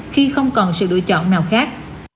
khi không còn sự đổi chọn nào khác